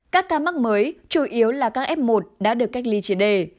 các ca mắc mới chủ yếu là các f một đã được cách ly triệt đề